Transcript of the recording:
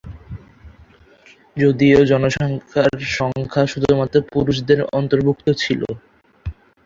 যদিও জনসংখ্যার সংখ্যা শুধুমাত্র পুরুষদের অন্তর্ভুক্ত ছিল।